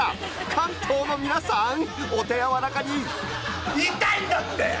関東の皆さんお手柔らかに痛いんだって！